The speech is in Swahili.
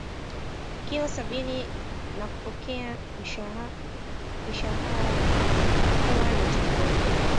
Kilo sabini na kupokea mishhaarana kuwa na starehe